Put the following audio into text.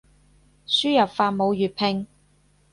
輸入法冇粵拼